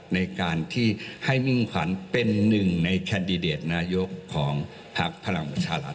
ในการที่ให้มิ่งขวัญเป็นหนึ่งในแคนดิเดตนายกของพักพลังประชารัฐ